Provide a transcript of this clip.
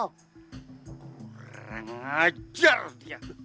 kurang ajar dia